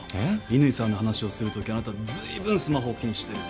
乾さんの話をするときあなたずいぶんスマホを気にしてる。